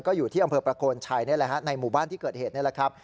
ก็อยู่ที่อำเภอประโคนชัยนี่แหละฮะในหมู่บ้านที่เกิดเหตุนี่แหละครับ